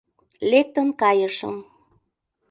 Лектын кайышым.